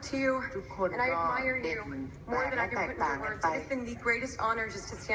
ทุกคนรอเด่นแบบและแตกต่างกันไป